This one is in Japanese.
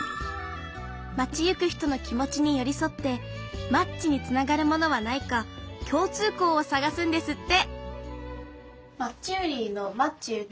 町行く人の気持ちに寄り添ってマッチにつながるものはないか共通項を探すんですって